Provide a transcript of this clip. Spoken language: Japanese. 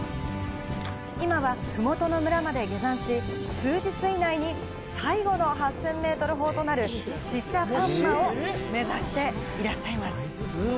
今は麓の村まで下山し、数日以内に最後の８０００ｍ峰となるシシャパンマを目指していらっしゃいます。